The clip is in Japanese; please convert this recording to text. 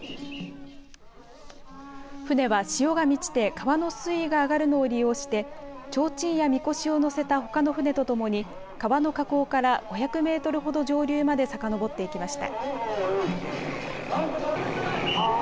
舟は潮が満ちて川の水位が上がるのを利用してちょうちんや、みこしをのせたほかの舟と共に河野火口から５００メートルほど潮流までさかのぼっていきました。